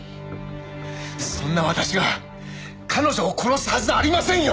そんな私が彼女を殺すはずありませんよ！